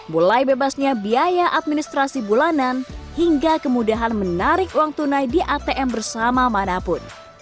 mulai bebasnya biaya administrasi bulanan hingga kemudahan menarik uang tunai di atm bersama manapun